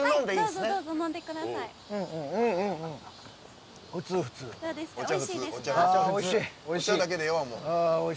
どうぞ飲んでください。